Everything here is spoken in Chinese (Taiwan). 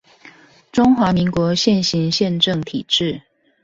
中華民國現行憲政體制